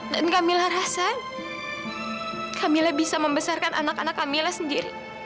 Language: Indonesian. dan kamila rasa kamila bisa membesarkan anak anak kamila sendiri